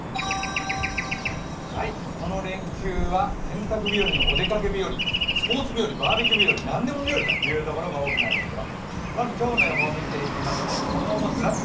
この連休は洗濯日よりにお出かけ日よりスポ−ツ日より、バーベキュー日より、何でも日よりというところが多くなりそうですよ。